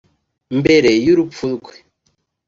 Mbere y’urupfu rwe